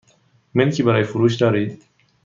ملکی برای فروش دارید؟